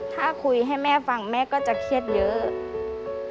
ถ้าคุยให้แม่ฟังแม่ก็จะเครียดเยอะ